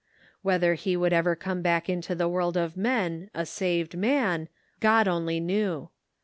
Whether he would ever come back into the world of men a saved man, God only knew.